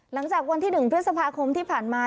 หลังจากวันที่๑พฤษภาคมที่ผ่านมา